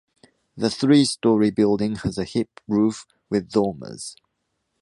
The three-story building has a hip roof with dormers.